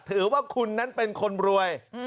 ถือว่าคุณนั้นเป็นคนรวย